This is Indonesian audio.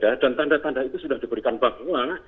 dan tanda tanda itu sudah diberikan bang mela